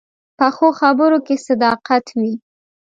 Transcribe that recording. پخو خبرو کې صداقت وي